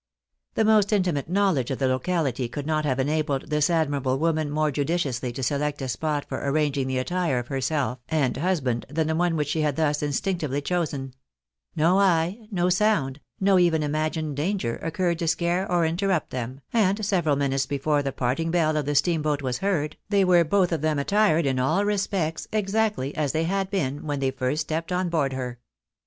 The most intimate knowledge of the locahty could not have enabled this admirable woman more judiciously to select a spot for arranging the attire of herself and husband than the one which she had thus instinctively chosen ; no eye, no sound, no even imagined danger, occurred to scare or interrupt them, and several minutes before the parting bell of the steamboat was heard, they were both of them attired in all respects exactly as they had been when they first stepped on board her.